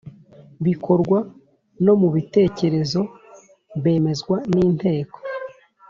bikorwa no mu bitekerezo bemezwa n inteko